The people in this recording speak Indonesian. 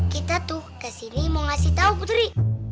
kita tuh kesini mau ngasih tahu putri